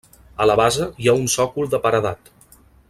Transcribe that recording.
A la base hi ha un sòcol de paredat.